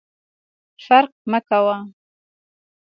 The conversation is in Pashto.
فرق مه کوه !